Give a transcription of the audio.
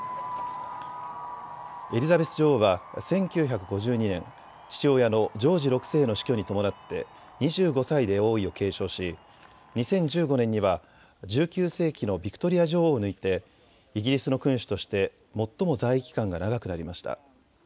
エリザベス女王は１９５２年、父親のジョージ６世の死去に伴って２５歳で王位を継承し２０１５年には１９世紀のビクトリア女王を抜いてイギリスの君主として最も在位期間が長くなりました。